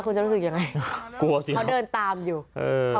คุณจะรู้สึกยังไงกลัวสิเขาเดินตามอยู่เออ